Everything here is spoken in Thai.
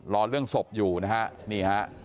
รอเรื่องสบอยู่นะฮะ